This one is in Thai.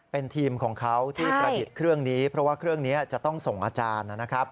เป็นทีมของเขาที่ประดิษฐ์เครื่องนี้เพราะว่าเครื่องนี้จะต้องส่งอาจารย์นะครับ